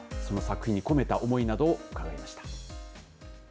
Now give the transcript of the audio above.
その作品に込めた思いなどを伺いました。